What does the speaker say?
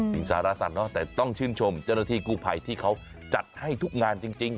พริสารสรรค์เนอะแต่ต้องชื่นชมเจ้าหน้าที่กูไพยที่เขาจัดให้ทุกงานจริง